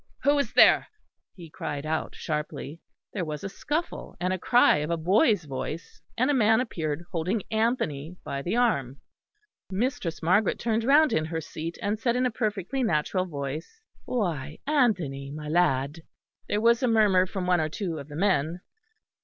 "Who is there?" he cried out sharply. There was a scuffle, and a cry of a boy's voice; and a man appeared, holding Anthony by the arm. Mistress Margaret turned round in her seat; and said in a perfectly natural voice, "Why, Anthony, my lad!" There was a murmur from one or two of the men.